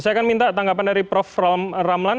saya akan minta tanggapan dari prof ramlan